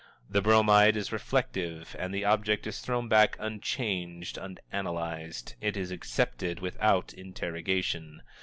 The Bromide is reflective, and the object is thrown back unchanged, unanalyzed; it is accepted without interrogation.